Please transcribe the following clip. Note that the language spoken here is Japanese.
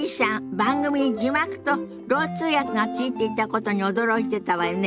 番組に字幕とろう通訳がついていたことに驚いてたわよね。